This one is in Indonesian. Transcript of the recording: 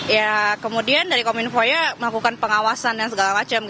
ya kemudian dari kominfo ya melakukan pengawasan dan segala macam